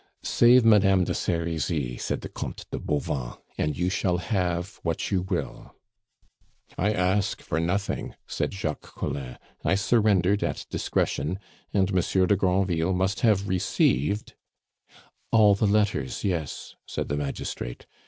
"Save Madame de Serizy," said the Comte de Bauvan, "and you shall have what you will." "I ask for nothing," said Jacques Collin. "I surrendered at discretion, and Monsieur de Granville must have received " "All the letters, yes," said the magistrate.